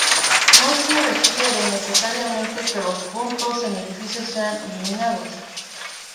No se requiere necesariamente que los puntos en edificios sean eliminados.